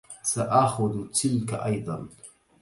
سآخذ تلك أيضا.